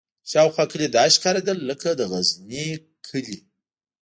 شاوخوا کلي داسې ښکارېدل لکه د غزني کلي.